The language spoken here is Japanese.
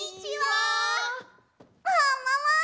ももも！